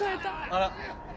あら。